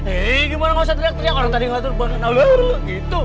eh gimana ga usah teriak teriak orang tadi ngaku banan aler gitu